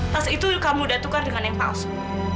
pas itu kamu udah tukar dengan yang palsu